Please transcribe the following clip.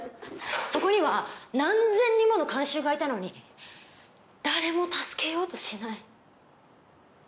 そこには何千人もの観衆がいたのに誰も助けようとしない。